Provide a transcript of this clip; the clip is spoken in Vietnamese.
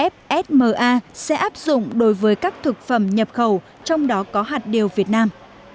fsma sẽ áp dụng đối với các thực phẩm nhập khẩu trong đó có hạt điều việt nam